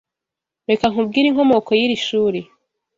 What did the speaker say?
Reka nkubwire inkomoko y'iri shuri.